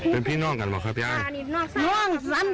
เป็นพี่น่องกันเหรอครับย่าง